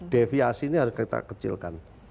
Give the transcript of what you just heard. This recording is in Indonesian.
deviasi ini harus kita kecilkan